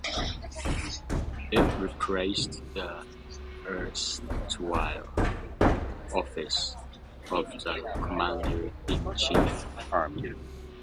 It replaced the erstwhile office of the Commander-in-Chief, Army.